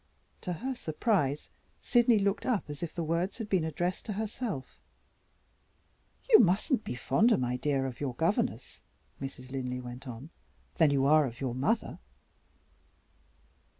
To her surprise, Sydney looked up as if the words had been addressed to herself "You mustn't be fonder, my dear, of your governess," Mrs. Linley went on, "than you are of your mother."